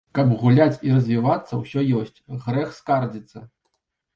Каб гуляць і развівацца ўсё ёсць, грэх скардзіцца.